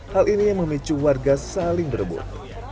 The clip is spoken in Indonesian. hal ini yang memicu warga saling berebut